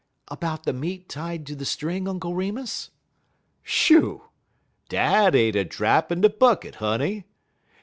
"About the meat tied to the string, Uncle Remus?" "Shoo! Dat ain't a drap in de bucket, honey.